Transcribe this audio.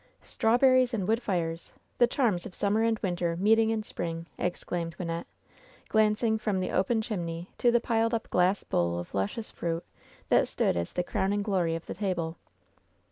"Strawberries and wood fires ! The charms of sum mer and winter meeting in spring!" exclaimed Wyn nette, glancing from the open chimney to the piled up glass bowl of luscious fruit that stood as the crowning glory of the table.